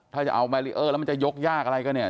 ถ้าจะเอาแบรีเออร์แล้วมันจะยกยากอะไรก็เนี่ย